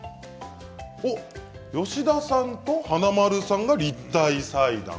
吉田さんと華丸さんが立体裁断。